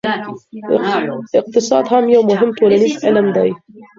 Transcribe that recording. اقتصاد هم یو مهم ټولنیز علم دی.